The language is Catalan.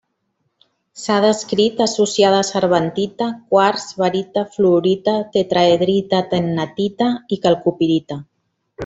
S'ha descrit associada a cervantita, quars, barita, fluorita, tetraedrita-tennantita i calcopirita.